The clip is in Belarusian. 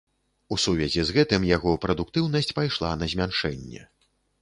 У сувязі з гэтым яго прадуктыўнасць пайшла на змяншэнне.